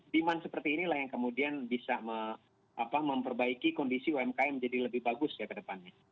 demand seperti inilah yang kemudian bisa memperbaiki kondisi umkm jadi lebih bagus ya ke depannya